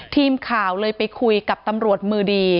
ทีมข่าวเลยไปคุยกับตำรวจมือดี